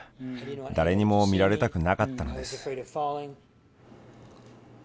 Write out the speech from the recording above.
誰にも見られたくなかったのです。